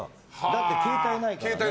だって携帯ないからね。